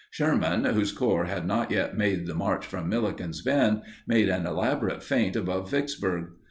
Sherman, whose corps had not yet made the march from Milliken's Bend, made an elaborate feint above Vicksburg.